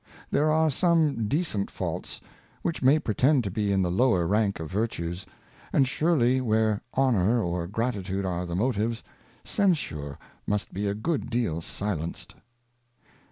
There are some decent Faults which may pretend to be in the lower Rank of Virtues ; and surely where Honour or Gratitude are the Motives, Censure must be a good deal silenced.